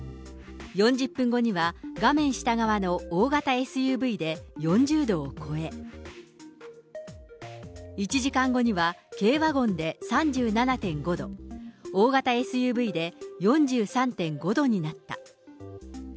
４０分後には画面下側の大型ＳＵＶで４０度を超え、１時間後には軽ワゴンで３７．５度、大型ＳＵＶで４３．５度になった。